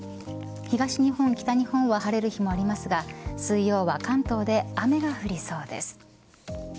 東日本、北日本は晴れる日もありますが水曜は関東で雨が降りそうです。